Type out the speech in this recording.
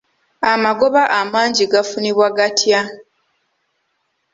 Amagoba amangi gafunibwa gatya?